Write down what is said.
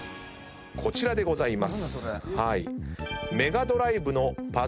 こちらでございます。